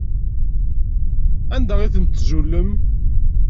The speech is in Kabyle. Anda ay tent-tzulem?